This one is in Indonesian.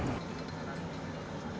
perjalanan pun berlanjut lagi